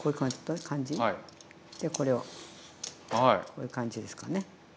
こういう感じですかね。